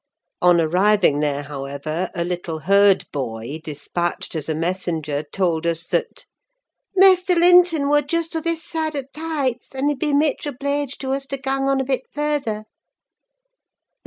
On arriving there, however, a little herd boy, despatched as a messenger, told us that,—"Maister Linton wer just o' this side th' Heights: and he'd be mitch obleeged to us to gang on a bit further."